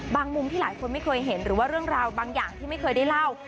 มุมที่หลายคนไม่เคยเห็นหรือว่าเรื่องราวบางอย่างที่ไม่เคยได้เล่า